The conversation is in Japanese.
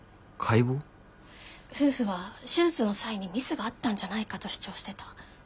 夫婦は手術の際にミスがあったんじゃないかと主張してた。